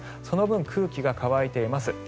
その分、空気が乾いています。